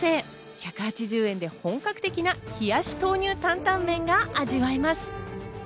１８０円で本格的な冷やし豆乳担々麺が味わえます。